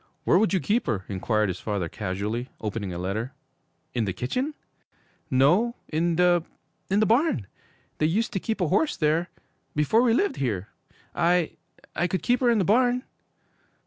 'Where would you keep her?' inquired his father casually, opening a letter. 'In the kitchen?' 'No, in the in the barn! They used to keep a horse there before we lived here! I I could keep her in the barn!'